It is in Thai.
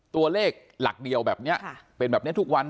ตัวเลขหลักเดียวแบบนี้เป็นแบบนี้ทุกวัน